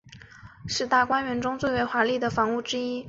是大观园中最为华丽的房屋之一。